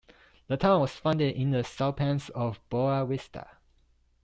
The town was founded in the saltpans of Boa Vista.